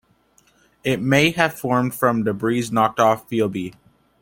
It may have formed from debris knocked off Phoebe.